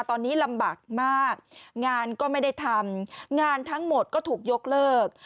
ตอนนี้ลำบากมากงานก็ไม่ได้ทำงานทั้งหมดก็ถูกยกเลิก